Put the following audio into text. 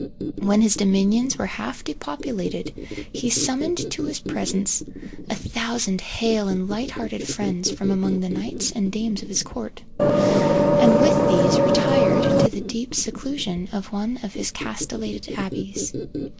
When his dominions were half depopulated, he summoned to his presence a thousand hale and light hearted friends from among the knights and dames of his court, and with these retired to the deep seclusion of one of his castellated abbeys.